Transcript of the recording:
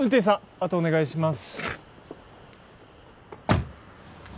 あとお願いします。